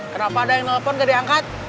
kenapa ada yang nelpon gak diangkat